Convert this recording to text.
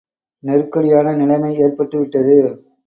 நெருக்கடியான நிலைமை ஏற்பட்டு விட்டது.